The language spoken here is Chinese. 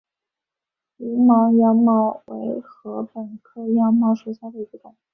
无芒羊茅为禾本科羊茅属下的一个种。